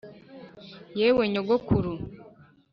yewe nyogokuru